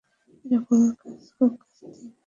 এরা ভূমির খুব কাছ দিয়ে ওড়ে।